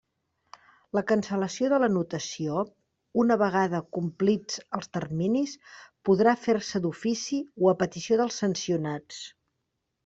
La cancel·lació de l'anotació, una vegada complits els terminis, podrà fer-se d'ofici o a petició dels sancionats.